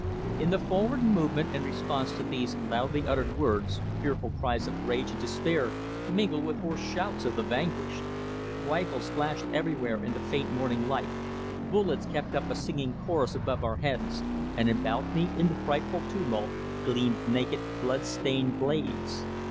In the forward movement in response to these loudly uttered words fearful cries of rage and despair mingled with hoarse shouts of the vanquished. Rifles flashed everywhere in the faint morning light, bullets kept up a singing chorus above our heads, and about me, in the frightful tumult, gleamed naked blood stained blades.